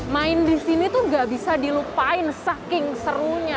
main di sini tuh gak bisa dilupain saking serunya